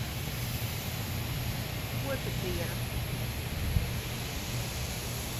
Otrdiena.